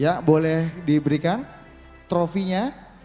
ya boleh diberikan trofinya